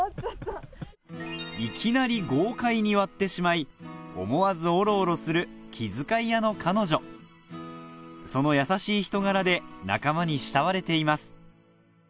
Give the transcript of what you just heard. いきなり豪快に割ってしまい思わずオロオロする気遣い屋の彼女その優しい人柄で仲間に慕われています